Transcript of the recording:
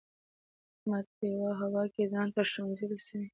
احمد په یوه هوا کې ځان تر ښوونځي رسوي.